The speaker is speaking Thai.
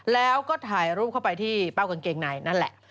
แล้วก็ถ่ายรูปเข้าไปที่เป้ากางเกงในนั่นแหละ